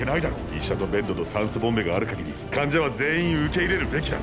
医者とベッドと酸素ボンベがある限り患者は全員受け入れるべきだ。